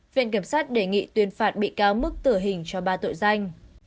viện kiểm sát đề nghị tuyên phạt bị cáo mức tử hình cho ba tội danh